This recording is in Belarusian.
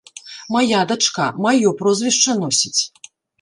Мая дачка, маё прозвішча носіць!